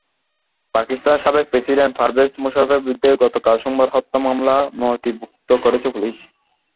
পাকিস্তানের সাবেক প্রেসিডেন্ট পারভেজ মোশাররফের বিরুদ্ধে গতকাল সোমবার হত্যা মামলা নথিভুক্ত করেছে পুলিশ।